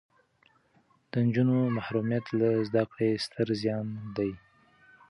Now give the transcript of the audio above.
د نجونو محرومیت له زده کړې ستر زیان دی.